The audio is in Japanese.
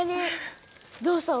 どうしたの？